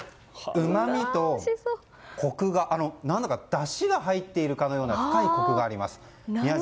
うまみとコクが、何だかだしが入っているかのような深いコクがあります。